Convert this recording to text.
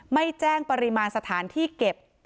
ไม่แจ้งปริมาณสถานที่เก็บ